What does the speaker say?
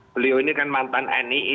beliau ini kan mantan nii